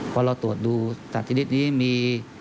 พอเราตรวจดูสัตว์ชนิดนี้มี